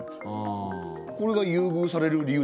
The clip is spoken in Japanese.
これが優遇される理由ですか？